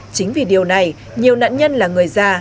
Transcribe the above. chính vì điều này nhiều nạn nhân là người già